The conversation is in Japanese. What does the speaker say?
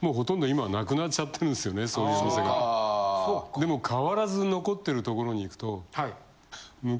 でも変わらず残ってる所に行くと。ね。